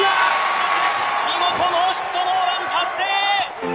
加瀬見事ノーヒットノーラン達成！